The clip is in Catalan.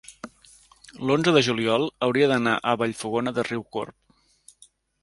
l'onze de juliol hauria d'anar a Vallfogona de Riucorb.